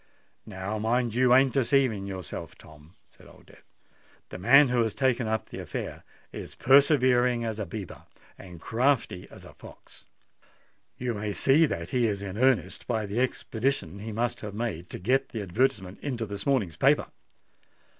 "Now mind you ain't deceiving yourself, Tom," said Old Death. "The man who has taken up the affair is persevering as a beaver and crafty as a fox. You may see that he is in earnest by the expedition he must have made to get the advertisement into this morning's paper.